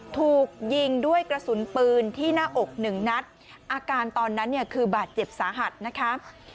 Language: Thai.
ถูกยิงด้วยกระสุนปืนที่หน้าอกหนึ่งนัดอาการตอนนั้นเนี่ยคือบาดเจ็บสาหัสนะคะ